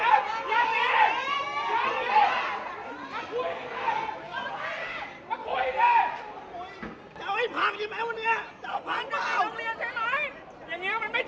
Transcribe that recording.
พันธุ์สิแม้วันเนี้ยต้องกูลงเรียนใช่ไหม